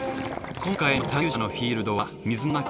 今回の探究者のフィールドは水の中。